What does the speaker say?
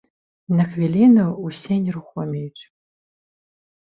На хвіліну ўсе нерухомеюць.